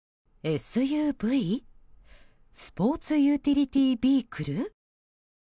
スポーツユーティリティービークル？